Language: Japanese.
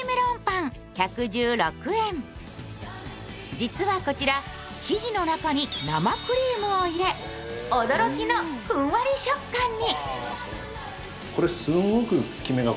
実は、こちら生地の中に生クリームを入れ、驚きのふんわり食感に。